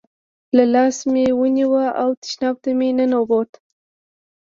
له لاسه مې ونیو او تشناب ته مې دننه بوت.